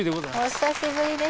お久しぶりです。